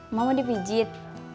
emang mau dipijit